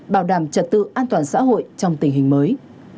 bảo đảm trật tự an toàn xã hội trong tình hình mới